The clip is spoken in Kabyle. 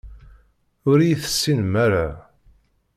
Ur iyi-tessinem ara.